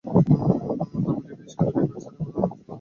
তারপর ইবলীসকে দুনিয়ার ফেরেশতাদের প্রধান নিযুক্ত করেন।